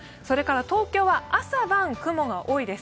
東京は朝晩、雲が多いです。